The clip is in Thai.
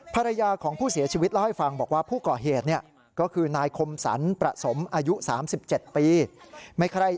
ภรรยาของผู้เสียชีวิตเล่าให้ฟังบอกว่าผู้ก่อเหตุก็คือนายคมสรรประสมอายุ๓๗ปี